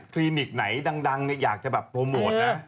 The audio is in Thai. ลินิกไหนดังอยากจะแบบโปรโมทนะ